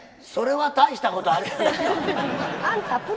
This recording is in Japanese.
それは大したことあるやないか。